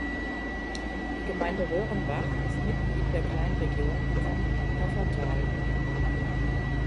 Die Gemeinde Röhrenbach ist Mitglied der Kleinregion Kamp-Taffatal.